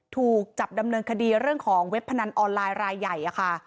ถูกจับดำเนินคดีเรื่องของเว็บพนันออนไลน์รายใหญ่ค่ะ